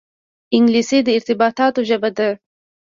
انګلیسي د ارتباطاتو ژبه ده